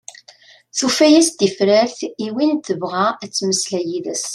Tufa-as-d tifrat i win tebɣa ad temmeslay yid-s.